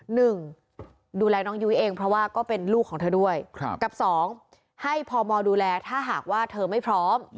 หนึ่งดูแลน้องยุ้ยเองเพราะว่าก็เป็นลูกของเธอด้วยกับสองให้พมดูแลถ้าหากว่าเธอไม่พร้อม